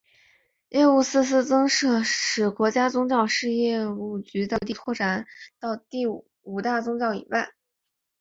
业务四司的增设使国家宗教事务局的业务第一次拓展到五大宗教以外。